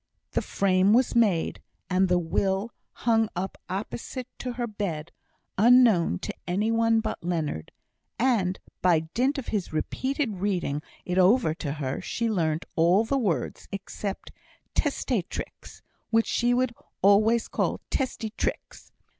The frame was made, and the will hung up opposite to her bed, unknown to any one but Leonard; and, by dint of his repeated reading it over to her, she learnt all the words, except "testatrix," which she would always call "testy tricks."